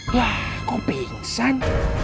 yah kok pingsan